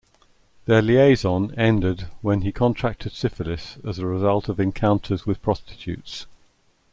Their liaison ended when he contracted syphilis as a result of encounters with prostitutes.